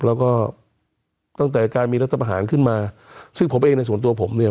แล้วก็ตั้งแต่การมีรัฐประหารขึ้นมาซึ่งผมเองในส่วนตัวผมเนี่ย